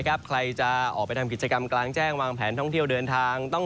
ใครจะออกไปทำกิจกรรมกลางแจ้งวางแผนท่องเที่ยวเดินทางต้อง